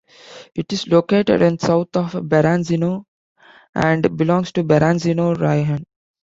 It is located in south of Berazino and belongs to Berazino Raion.